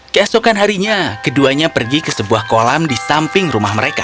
keesokan harinya keduanya pergi ke sebuah kolam di samping rumah mereka